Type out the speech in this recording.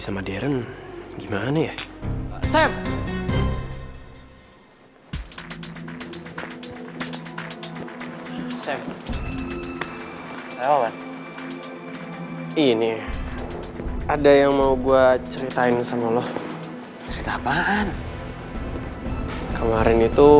jangan sampai ada yang terlukai